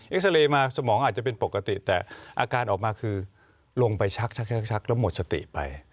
ซาเรย์มาสมองอาจจะเป็นปกติแต่อาการออกมาคือลงไปชักชักแล้วหมดสติไป